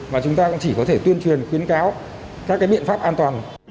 và chúng ta cũng chỉ có thể tuyên truyền khuyến cáo các biện pháp an toàn